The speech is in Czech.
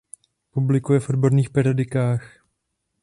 Publikuje v odborných periodikách.